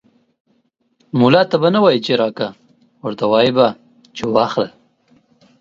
ملا ته به نه وايي چې راکه ، ورته وايې به چې واخله.